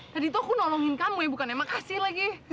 tadi tuh aku nolongin kamu bukan emang kasih lagi